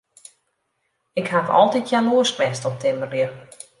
Ik haw altyd jaloersk west op timmerlju.